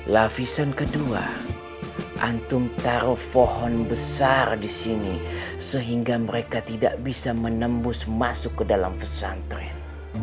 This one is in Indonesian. lapisan kedua antum taruh pohon besar di sini sehingga mereka tidak bisa menembus masuk ke dalam pesantren